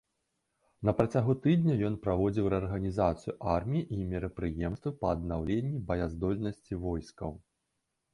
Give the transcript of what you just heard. На працягу тыдня ён праводзіў рэарганізацыю арміі і мерапрыемствы па аднаўленні баяздольнасці войскаў.